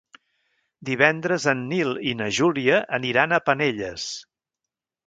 Divendres en Nil i na Júlia aniran a Penelles.